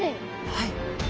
はい。